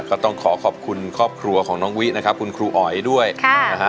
ก็ต้องขอขอบคุณครอบครัวของน้องวินะครับคุณครูอ๋อยด้วยนะฮะ